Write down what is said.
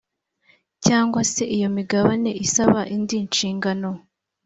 cyangwa se iyo imigabane isaba indi nshingano